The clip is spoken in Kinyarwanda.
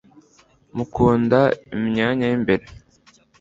mukunda imyanya y imbere